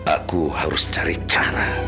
aku harus cari cara